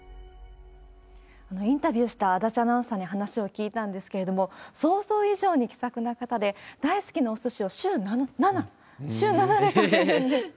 インタビューした足立アナウンサーに話を聞いたんですけれども、想像以上に気さくな方で、大好きなおすしを週７、週７で食べるんですって。